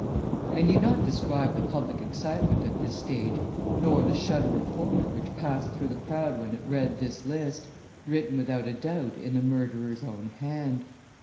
I need not describe the public excitement at this stage nor the shudder of horror which passed through the crowd when it read this list, written without a doubt in the murderer's own hand.